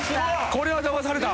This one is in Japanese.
これはだまされた！